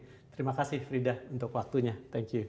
terima kasih frida untuk waktunya thank you